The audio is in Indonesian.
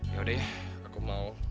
yaudah ya aku mau